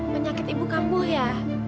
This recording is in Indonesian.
penyakit ibu kampuh ya